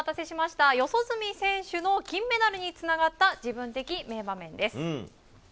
四十住選手の金メダルにつながった自分的名場面です。